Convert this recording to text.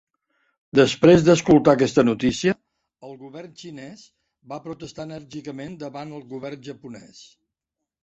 Després d'escoltar aquesta notícia, el govern xinès va protestar enèrgicament davant el govern japonès.